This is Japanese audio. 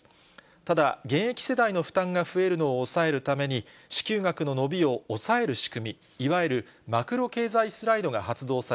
ただ、現役世代の負担が増えるのを抑えるために、支給額の伸びを抑える仕組み、いわゆるマクロ経済スライドが発動され、